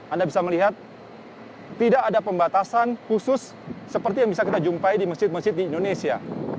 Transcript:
anda bisa melihat tidak ada pembatasan khusus seperti yang bisa kita jumpai di masjid masjid di indonesia